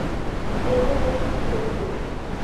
Ella es increíble".